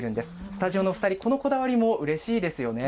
スタジオのお２人、このこだわりもうれしいですよね。